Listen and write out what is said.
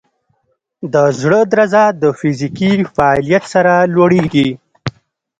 د زړه درزا د فزیکي فعالیت سره لوړېږي.